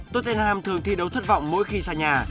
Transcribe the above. tottenham thường thi đấu thất vọng mỗi khi xa nhà